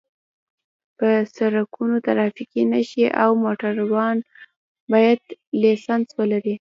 په سرکونو ټرافیکي نښې او موټروان باید لېسنس ولري